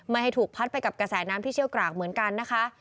ไม่ให้ถูกพัดไปกับกระแสน้ำที่เชี่ยวกรากเหมือนกันนะคะ